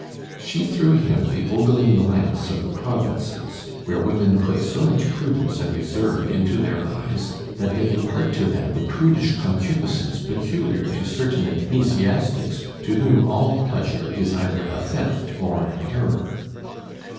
She threw him the ogling glance of the provinces, where women put so much prudence and reserve into their eyes that they impart to them the prudish concupiscence peculiar to certain ecclesiastics to whom all pleasure is either a theft or an error.